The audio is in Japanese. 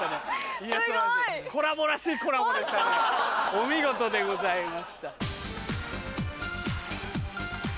お見事でございました！